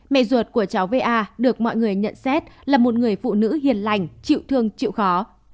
mẹ ruột của cháu va được mọi người nhận xét là một người phụ nữ hiền lành chịu thương chịu khó